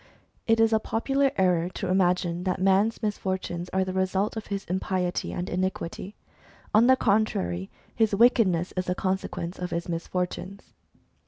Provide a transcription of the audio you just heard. It is a popular error to imagine that man's misfortunes are the result of his impiety and iniquity. On the contrary, his wickedness is the consequence of his mis fortunes.